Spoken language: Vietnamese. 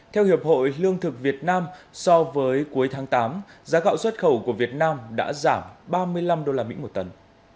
theo hiệp hội lương thực việt nam so với cuối tháng tám giá gạo xuất khẩu của việt nam đã giảm ba mươi năm usd một tấn